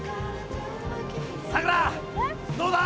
さくらどうだ？